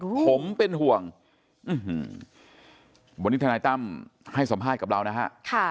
ผมเป็นห่วงวันนี้ทนายตั้มให้สัมภาษณ์กับเรานะฮะ